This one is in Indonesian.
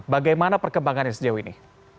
bagaimana perkembangannya sejauh ini